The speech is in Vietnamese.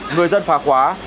người dân phá khóa